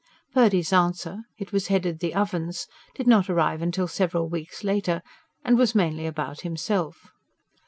Purdy's answer it was headed "The Ovens" did not arrive till several weeks later, and was mainly about himself.